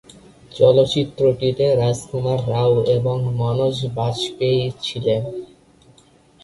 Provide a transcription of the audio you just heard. চলচ্চিত্রটিতে রাজকুমার রাও এবং মনোজ বাজপেয়ী ছিলেন।